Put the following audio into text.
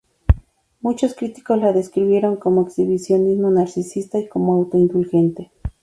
Muchos críticos, la describieron como "exhibicionismo narcisista" y como auto-indulgente.